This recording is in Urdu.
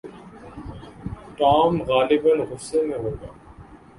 ٹام غالباً غصے میں ہوگا۔